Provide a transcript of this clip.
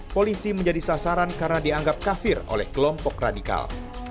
polisi menjadi sasaran karena dianggap kafir oleh kelompok radikal